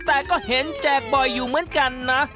แต่ก็เห็นแจกบ่อยอยู่เหมือนกันนะ